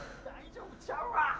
大丈夫ちゃうわ！